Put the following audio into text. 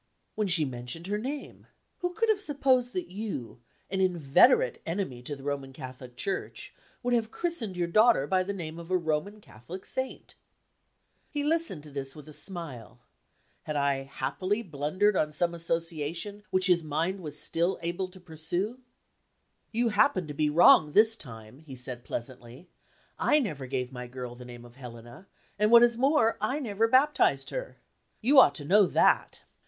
"When she mentioned her name. Who could have supposed that you an inveterate enemy to the Roman Catholic Church would have christened your daughter by the name of a Roman Catholic Saint?" He listened to this with a smile. Had I happily blundered on some association which his mind was still able to pursue? "You happen to be wrong this time," he said pleasantly. "I never gave my girl the name of Helena; and, what is more, I never baptized her. You ought to know that.